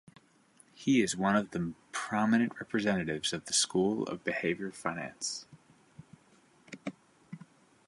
He is one of the prominent representatives of the school of behavioral finance.